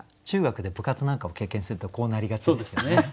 中学で部活なんかを経験するとこうなりがちですよね。